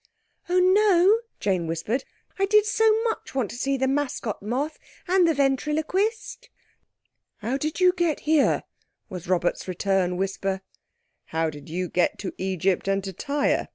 "Oh, no," Jane whispered. "I did so want to see the Mascot Moth, and the Ventriloquist." "How did you get here?" was Robert's return whisper. "How did you get to Egypt and to Tyre?"